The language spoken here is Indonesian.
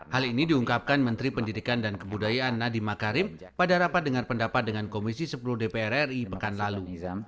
hal ini diungkapkan menteri pendidikan dan kebudayaan nadiem makarim pada rapat dengan pendapat dengan komisi sepuluh dpr ri pekan lalu